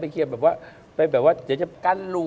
ไปเคลียร์แบบเดี๋ยวจะกั้นลั้ม